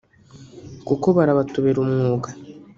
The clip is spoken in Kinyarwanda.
kuko barabatobera umwuga